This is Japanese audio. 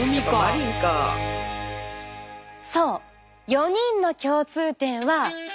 ４人の共通点は。